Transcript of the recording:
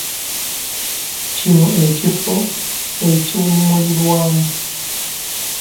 Kino ekifo ekiwummulirwamu.